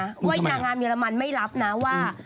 โอ้ยนางงามเยอรมันไม่รับนะว่า